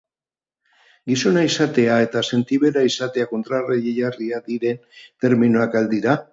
Gizona izatea eta sentibera izatea kontrajarriak diren terminoak al dira?